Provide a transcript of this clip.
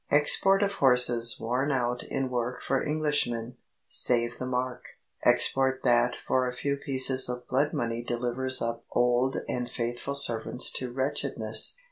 Export of horses worn out in work for Englishmen save the mark! Export that for a few pieces of blood money delivers up old and faithful servants to wretchedness.